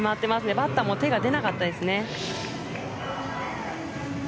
バッターも手が出なかったですね。